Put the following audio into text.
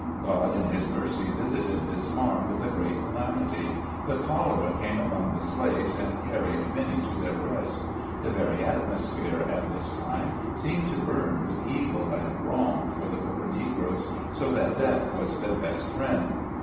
God in his mercy visited this farm with a great calamity. The cholera came among the slaves, and carried many to their rest. The very atmosphere, at this time, seemed to burn with evil and wrong for the poor Negroes, so that death was their best friend.